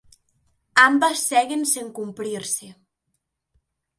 Ambas seguen sen cumprirse.